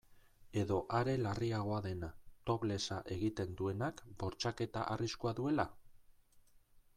Edo are larriagoa dena, toplessa egiten duenak bortxaketa arriskua duela?